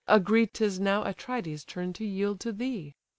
agree 'Tis now Atrides' turn to yield to thee.